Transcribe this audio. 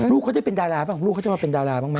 ลูกเขาจะเป็นดาราบ้างลูกเขาจะมาเป็นดาราบ้างไหม